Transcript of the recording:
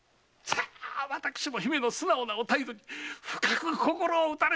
私も姫の素直なお態度に深く心を打たれてございます。